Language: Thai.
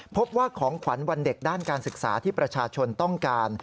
พบว่าของขวัญวันเด็กด้านการศึกษาที่ประชาชนต้องการ